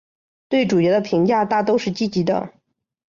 对主角的评价大都是积极的。